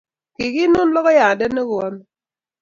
kikinun logoyande ne koame